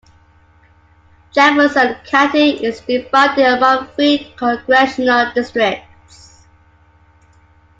Jefferson County is divided among three congressional districts.